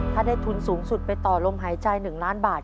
ถ้าได้ทุนสูงสุดไปต่อลมหายใจ๑ล้านบาท